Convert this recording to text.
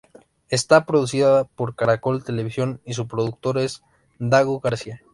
Está producida por Caracol Televisión y su productor es Dago García.